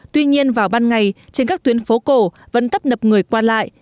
tuy nhiên vào ban ngày trên các tuyến phố cổ vẫn tấp nập người qua lại